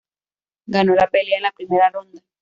Ganó la pelea en la primera ronda.